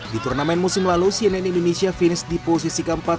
di turnamen musim lalu cnn indonesia finish di posisi keempat